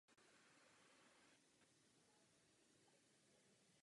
Cílem měla být podpora morálky zaměstnanců.